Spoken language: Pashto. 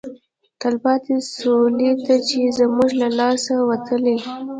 تلپاتې سولې ته چې زموږ له لاسه وتلی